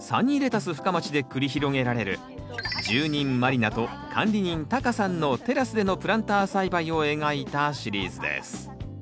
サニーレタス深町で繰り広げられる住人満里奈と管理人タカさんのテラスでのプランター栽培を描いたシリーズです。